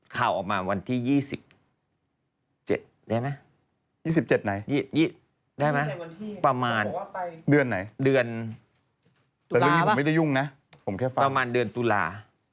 ข่าวออกมาวันที่๒๗ได้ไหมประมาณเดือนตุลาประมาณเดือนตุลา